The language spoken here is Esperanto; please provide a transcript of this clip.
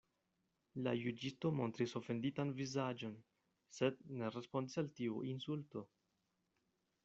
La juĝisto montris ofenditan vizaĝon, sed ne respondis al tiu insulto.